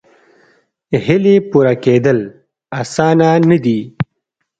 هیلې پوره کېدل اسانه نه دي.